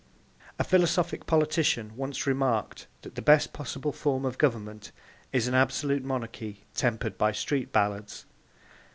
A philosophic politician once remarked that the best possible form of government is an absolute monarchy tempered by street ballads.